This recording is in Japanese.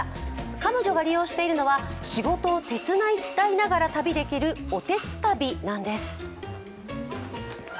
彼女が利用しているのは仕事を手伝いながら旅ができるおてつたびなんです。